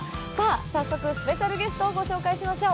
早速、スペシャルゲストをご紹介しましょう。